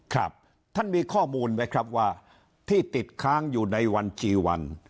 ครับท่านมีข้อมูลไหมครับว่าที่ติดค้างอยู่ในวันกี่วัน